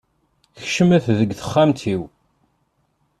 Kecmet deg texxamt-iw.